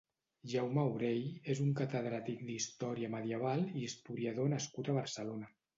Jaume Aurell és un catedràtic d'Història Medieval i historiador nascut a Barcelona.